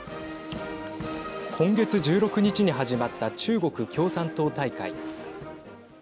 今月１６日に始まった中国共産党大会。